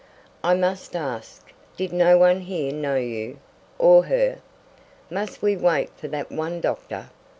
"I must ask did no one here know you or her? Must we wait for that one doctor?"